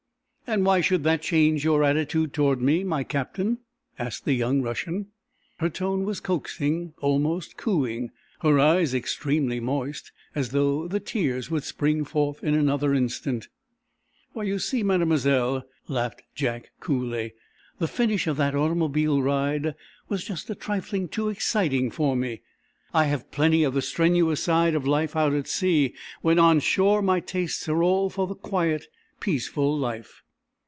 "And why should that change your attitude toward me, my Captain?" asked the young Russian. Her tone was coaxing, almost cooing; her eyes extremely moist, as though the tears would spring forth in another instant. "Why, you see, Mademoiselle," laughed Jack, coolly, "the finish of that automobile ride was just a trifle too exciting for me. I have plenty of the strenuous side of life out at sea. When on shore my tastes are all for the quiet, peaceful life."